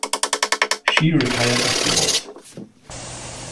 She retired afterwards.